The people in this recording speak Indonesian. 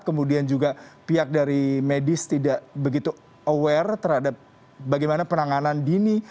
kemudian juga pihak dari medis tidak begitu aware terhadap bagaimana penanganan dini